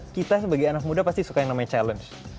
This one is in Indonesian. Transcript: kita sebagai anak muda pasti suka yang namanya challenge